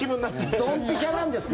ドンピシャなんですね。